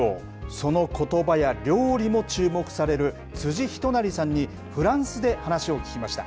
そのことばや料理も注目される辻仁成さんに、フランスで話を聞きました。